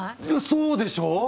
そうでしょう？